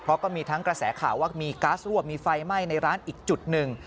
เพราะก็มีทั้งกระแสข่าวว่ามีก๊าซรั่วมีไฟไหม้ในร้านอีกจุดหนึ่ง